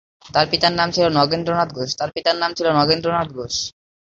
তার পিতার নাম ছিল নগেন্দ্রনাথ ঘোষ।